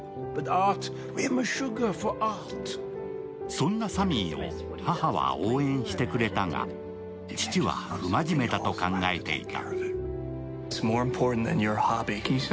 そんなサミーを母は応援してくれたが父は不真面目だと考えていた。